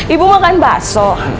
ibu makan bakso